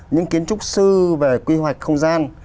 những kiến trúc sư về quy hoạch không gian